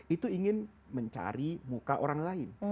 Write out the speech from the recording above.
itu ingin mencari muka orang lain